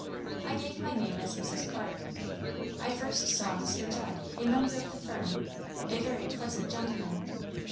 I gave my name as Mrs. Clarke. I first saw Mr. Judd, a member of the firm, a very pleasant gentleman.